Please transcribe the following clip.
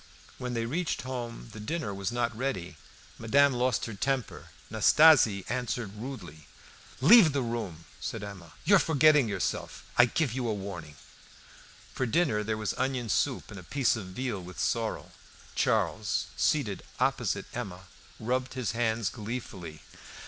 When they reached home the dinner was not ready. Madame lost her temper. Nastasie answered rudely. "Leave the room!" said Emma. "You are forgetting yourself. I give you warning." For dinner there was onion soup and a piece of veal with sorrel. Charles, seated opposite Emma, rubbed his hands gleefully.